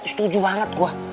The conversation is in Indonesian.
setuju banget gue